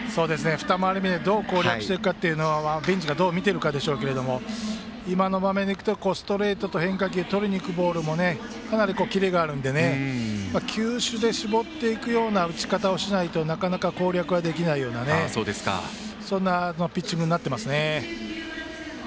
二回り目どう攻略していくかベンチがどう見ているかでしょうけど今の場面でいくとストレートと変化球ととりにいくボールもかなりキレがあるので球種で絞っていくような打ち方をしないとなかなか攻略ができないようなそんなピッチングになっています。